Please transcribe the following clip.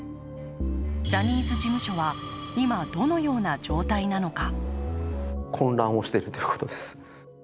ジャニーズ事務所は、今どのような状態なのか。